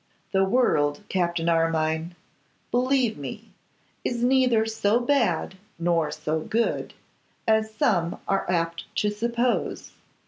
The world, Captain Armine, believe me, is neither so bad nor so good as some are apt to suppose.